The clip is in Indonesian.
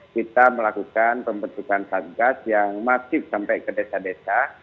kita melakukan pembentukan satgas yang masif sampai ke desa desa